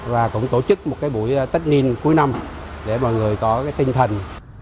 và cũng tổ chức một cái buổi tết ninh cuối năm để mọi người có cái tinh thần